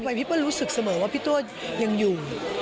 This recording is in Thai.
แต่พี่ตัวรู้สึกเสมอว่าพี่ตัวยังอยู่